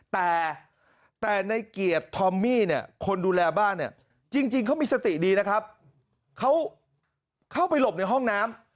แต่ในเกียรติทอมมี่เนี่ยคนดูแลบ้านเนี่ยจริงเขามีสติดีนะครับเขาเข้าไปหลบในห้องน้ำ